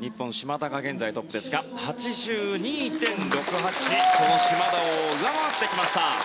日本、島田が現在トップですが８２．６８で島田を上回ってきました。